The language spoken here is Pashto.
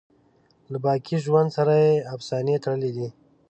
له باقی ژوند سره یې افسانې تړلي دي.